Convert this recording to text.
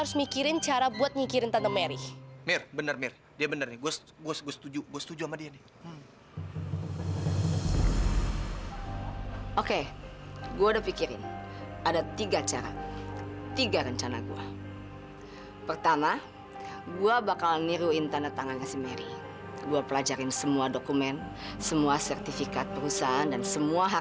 sampai jumpa di video selanjutnya